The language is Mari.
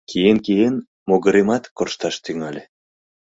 Киен-киен, могыремат коршташ тӱҥале.